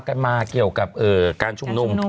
ไม้เม้ยมันก็ให้